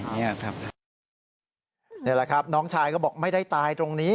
นี่แหละครับน้องชายก็บอกไม่ได้ตายตรงนี้